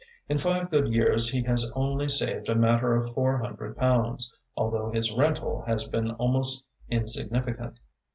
In five good years he has only saved a matter of four hundred pounds, although his rental has been almost insignificant.